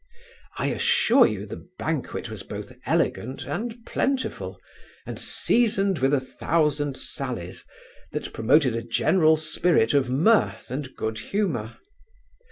I assure you the banquet was both elegant and plentiful, and seasoned with a thousand sallies, that promoted a general spirit of mirth and good humour.